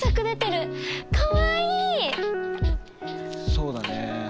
そうだねえ。